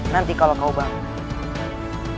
nanti kalau kau bangun